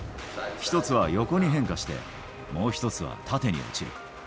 １つは横に変化して、もう１つは縦に落ちる。